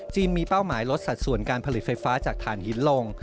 มีเป้าหมายลดสัดส่วนการผลิตไฟฟ้าจากฐานหินลง